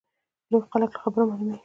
لوی خلک له خبرو معلومیږي.